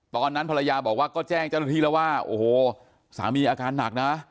ตอนนั้นภรรยาบอกว่าก็แจ้งเจ้าหน้าที่แล้วว่าโอ้โหสามีอาการหนักนะ